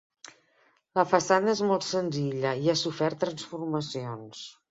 La façana és molt senzilla i ha sofert transformacions.